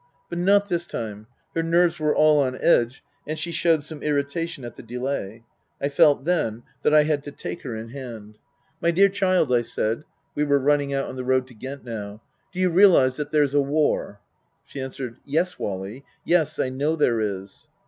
But not this time. Her nerves were all on edge and she showed some irritation at the delay. I felt then that I had to take her in hand. 290 Tasker Jevons " My dear child," I said (we were running out on the road to Ghent now), " do you realize that there's a war ?" She answered, " Yes, Wally, yes, I know there is."